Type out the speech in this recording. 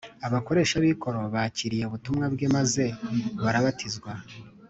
abakoresha b’ikoro bakiriye ubutumwa bwe maze barabatizwa